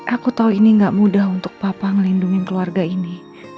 aku tahu ini gak mudah untuk papa ngelindungi keluarga ini